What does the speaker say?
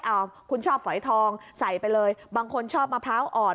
เอาคุณชอบฝอยทองใส่ไปเลยบางคนชอบมะพร้าวอ่อน